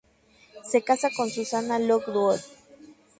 Se casa con Susanna Lockwood.